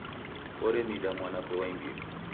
Oremida mwanape wa imbiri.